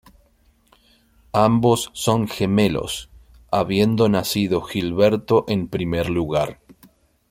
Ambos son gemelos, habiendo nacido Gilberto en primer lugar.